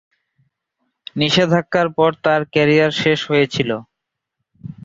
নিষেধাজ্ঞার পরে তার কেরিয়ার শেষ হয়েছিল।